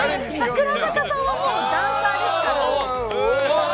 櫻坂さんはダンサーですから。